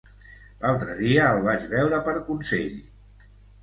L'altre dia el vaig veure per Consell.